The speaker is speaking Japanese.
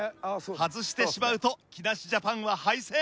外してしまうと木梨ジャパンは敗戦。